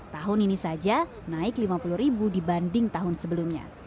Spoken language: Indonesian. tahun ini saja naik lima puluh ribu dibanding tahun sebelumnya